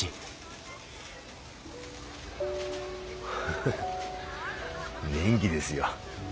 フフフ元気ですよ。